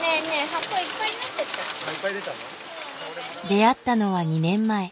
出会ったのは２年前。